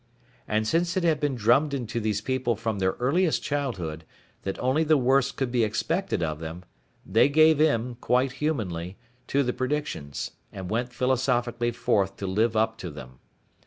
And since it had been drummed into these people from their earliest childhood that only the worst could be expected of them, they gave in, quite humanly, to the predictions, and went philosophically forth to live up to them.